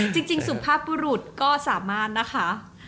จริงสุภาพบุตรก็สามารถนะคะ